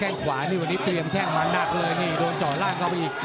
น้ำเงินลำบากแล้ว